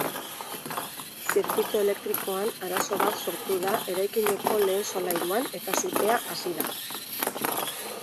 Zirkuitu elektrikoan arazo bat sortu da eraikineko lehen solairuan eta sutea hasi da.